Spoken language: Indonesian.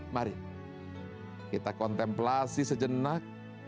mari kita kontemplasi sejenak